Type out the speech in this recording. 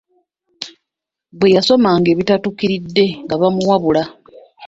Bwe yasomanga ebitatuukiridde nga bamuwabula.